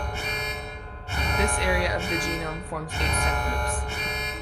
This area of the genome forms eight stem loops.